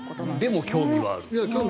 でも興味はある。